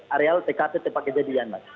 area tktt pak kejadian